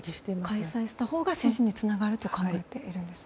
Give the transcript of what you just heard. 開催したほうが支持につながると考えているんですね。